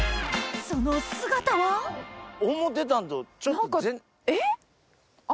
その姿は思うてたんとちょっと。